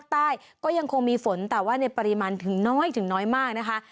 พื้นที่โดยเฉพาะภาคใต้ก็ยังคงมีฝนแต่ว่าในปริมาณถึงน้อยถึงน้อยมากนะคะ